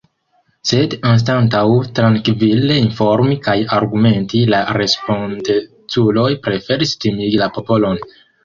Sed anstataŭ trankvile informi kaj argumenti, la respondeculoj preferis timigi la popolon.